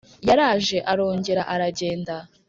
yaraje arongera aragenda,